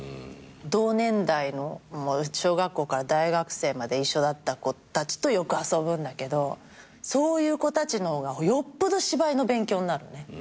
同年代の小学校から大学生まで一緒だった子たちとよく遊ぶんだけどそういう子たちの方がよっぽど芝居の勉強になるね。